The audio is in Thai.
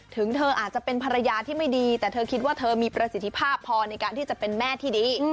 ถึงเธออาจจะเป็นภรรยาที่ไม่ดีแต่เธอคิดว่าเธอมีประสิทธิภาพพอในการที่จะเป็นแม่ที่ดี